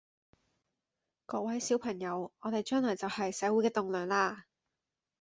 各位小朋友，我哋將來就係社會嘅棟樑啦